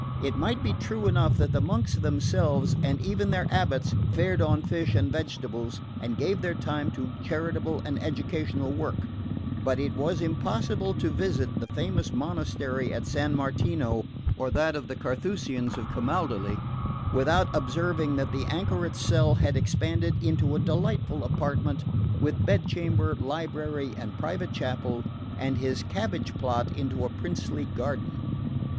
It might be true enough that the monks themselves, and even their abbots, fared on fish and vegetables, and gave their time to charitable and educational work; but it was impossible to visit the famous monastery of San Martino, or that of the Carthusians at Camaldoli, without observing that the anchoret's cell had expanded into a delightful apartment, with bedchamber, library and private chapel, and his cabbage plot into a princely garden.